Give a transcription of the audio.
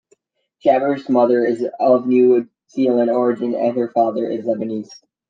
Jaber's mother is of New Zealand origin and her father is Lebanese.